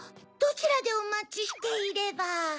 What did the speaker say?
どちらでおまちしていれば？